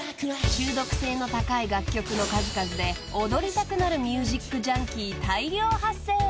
［中毒性の高い楽曲の数々で踊りたくなるミュージックジャンキー大量発生］